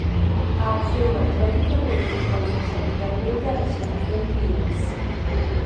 A acción antrópica modificou substancialmente a vexetación clímax.